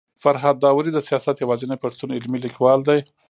فرهاد داوري د سياست يوازنی پښتون علمي ليکوال دی